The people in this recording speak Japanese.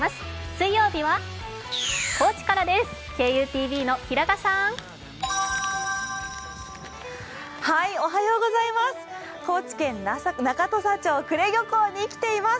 水曜日は高知からです。